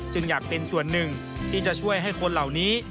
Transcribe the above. อยากเป็นส่วนหนึ่งที่จะช่วยให้คนเหล่านี้